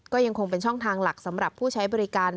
ก็ยังคงเป็นช่องทางหลักสำหรับผู้ใช้บริการ